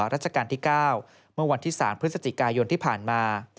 ราชการที่๙เมื่อวันที่๓พฤศจิกายนที่ผ่านมา